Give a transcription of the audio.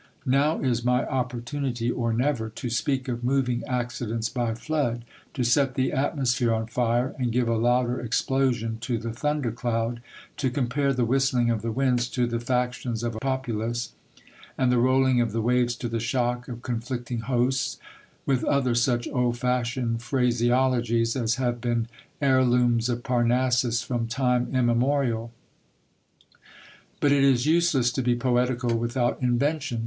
Now is my opportunity, or never, to speak of moving accidents by flood ; to set the atmosphere on fire, and give a louder explosion to the thunder cloud ; to compare the whistling of the winds to the factions of a populace, and the rolling of the waves to the shock of con flicting hosts ; with other such old fashioned phraseologies as have been heir looms of Parnassus from time immemorial. But it is useless to be poetical without invention.